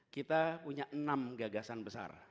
kita punya enam gagasan besar